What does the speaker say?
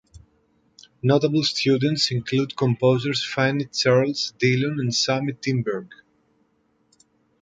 Notable students include composers Fannie Charles Dillon and Sammy Timberg.